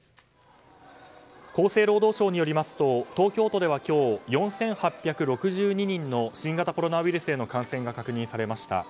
厚生労働省によりますと東京都では今日４８６２人の新型コロナウイルスへの感染が確認されました。